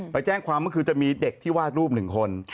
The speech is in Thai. ไปแจ้งความก็คือจะมีเด็กที่วาดรูปหนึ่งคน